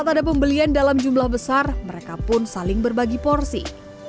tak ada pembelian dalam jumlah besar mereka pun saling berbagi porsi